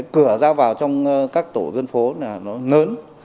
cửa ra vào trong các tổ dân phố là nó lớn